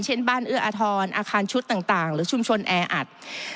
เช่นบ้านอื่ออธรรมอาคารชุดหรือชุมชนแอร์อัด